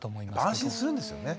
安心するんですよね。